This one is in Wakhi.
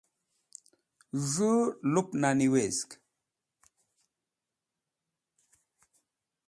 z̃hu lupnani wezg